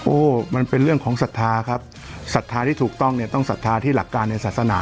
โอ้โหมันเป็นเรื่องของศรัทธาครับศรัทธาที่ถูกต้องเนี่ยต้องศรัทธาที่หลักการในศาสนา